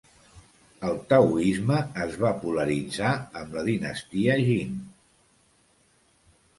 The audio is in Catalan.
El taoisme es va polaritzar amb la dinastia Jin.